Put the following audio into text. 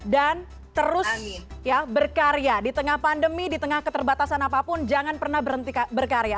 terus ya berkarya di tengah pandemi di tengah keterbatasan apapun jangan pernah berhenti berkarya